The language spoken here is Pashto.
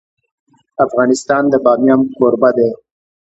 افغانستان د بامیان کوربه دی.